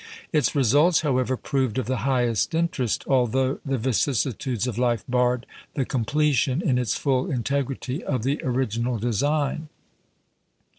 Its results, however, proved of the highest interest, although the vicissitudes of life barred the completion, in its full integrity, of the original design.